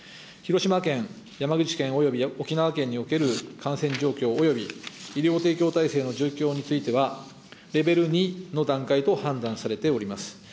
広島県、山口県および沖縄県における感染状況および医療提供体制の状況については、レベル２の段階と判断されております。